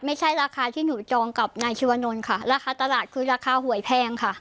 ไม่ใช่ราคาที่หนูจองกับนายชีวนนท์ค่ะราคาตลาดคือราคาหวยแพงค่ะ